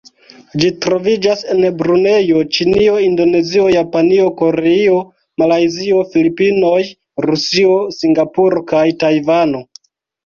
Ĝi troviĝas en Brunejo, Ĉinio, Indonezio, Japanio, Koreio, Malajzio, Filipinoj, Rusio, Singapuro kaj Tajvano.